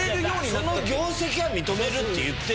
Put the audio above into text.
その業績は認めるって言ってるじゃん。